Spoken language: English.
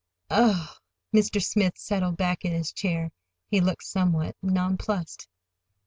"Oh h!" Mr. Smith settled back in his chair. He looked somewhat nonplused.